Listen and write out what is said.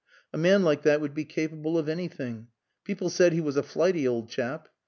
A man like that would be capable of anything. People said he was a flighty old chap.